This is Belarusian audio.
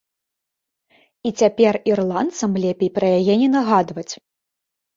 І цяпер ірландцам лепей пра яе не нагадваць.